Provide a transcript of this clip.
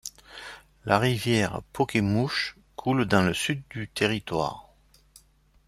La rivière Pokemouche coule dans le sud du territoire.